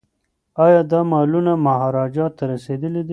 ایا دا مالونه مهاراجا ته رسیدلي دي؟